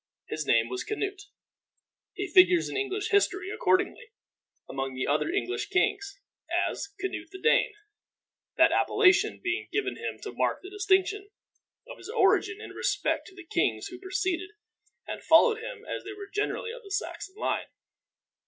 His name was Canute. He figures in English history, accordingly, among the other English kings, as Canute the Dane, that appellation being given him to mark the distinction of his origin in respect to the kings who preceded and followed him, as they were generally of the Saxon line.